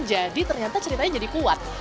jadi ternyata ceritanya jadi kuat